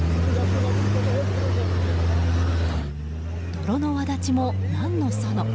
泥のわだちも何のその。